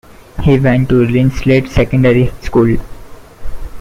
He went to Linslade Secondary School.